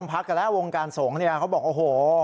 พักกันแล้ววงการสงฆ์เนี่ยเขาบอกโอ้โห